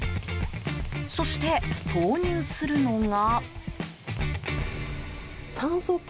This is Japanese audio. そして導入するのが。